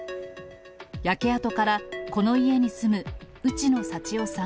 焼け跡からこの家に住む内野幸男さん